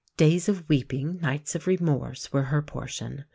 Days of weeping, nights of remorse, were her portion.